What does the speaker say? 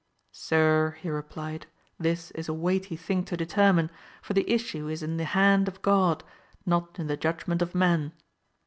Sir, he replied, this is a weighty thing to determine, for the issue is in the hand of God, not in the judgment of men.